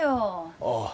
ああ